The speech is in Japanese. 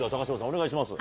お願いします。